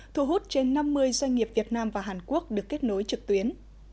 thu hút trên năm mươi doanh nghiệp việt nam và hàn quốc được kết nối trực tuyến